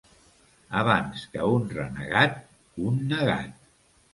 Abans que un renegat, un negat.